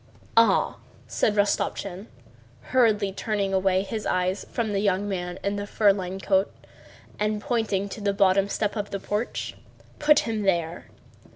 "Ah!" said Rostopchín, hurriedly turning away his eyes from the young man in the fur lined coat and pointing to the bottom step of the porch. "Put him there."